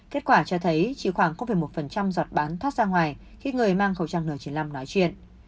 kết quả cho thấy chỉ khoảng một giọt bán thoát ra ngoài khi người mang khẩu trang n chín mươi năm nói chuyện